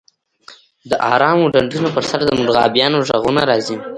د ارامو ډنډونو په سر د مرغابیانو غږونه راځي